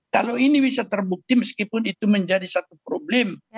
kalau ini bisa terbukti meskipun itu menjadi satu problem